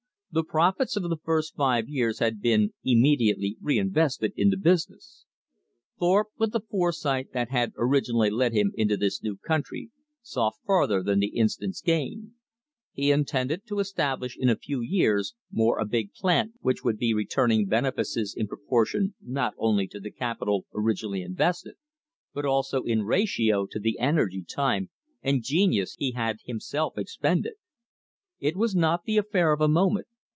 The profits of the first five years had been immediately reinvested in the business. Thorpe, with the foresight that had originally led him into this new country, saw farther than the instant's gain. He intended to establish in a few years more a big plant which would be returning benefices in proportion not only to the capital originally invested, but also in ratio to the energy, time, and genius he had himself expended. It was not the affair of a moment.